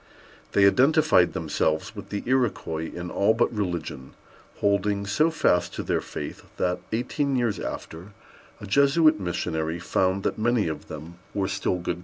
They identified themselves with the Iroquois in all but religion, holding so fast to their faith, that, eighteen years after, a Jesuit missionary found that many of them were still good Catholics.